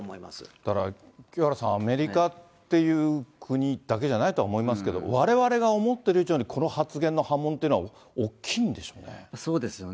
だから清原さん、アメリカって国だけじゃないと思いますけど、われわれが思ってる以上にこの発言の波紋っていうのは大きいんでそうですよね。